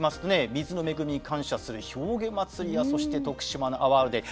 水の恵みに感謝するひょうげ祭りやそして徳島の阿波おどり